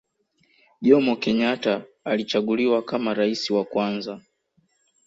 Jomo Kenyatta alichaguliwa kama rais wa kwanza